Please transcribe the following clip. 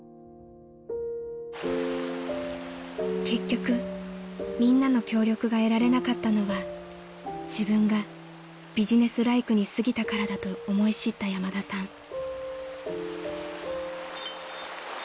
［結局みんなの協力が得られなかったのは自分がビジネスライクに過ぎたからだと思い知った山田さん］